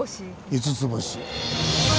五つ星。